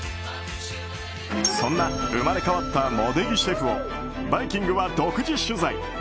そんな生まれ変わった茂出木シェフを「バイキング」は独自取材。